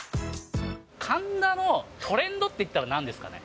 神田のトレンドっていったらなんですかね？